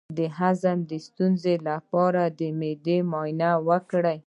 د هضم د ستونزې لپاره د معدې معاینه وکړئ